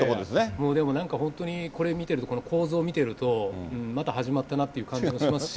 もうでもね、なんかこれ見てると、この構図を見てると、また始まったなという感じもしますね。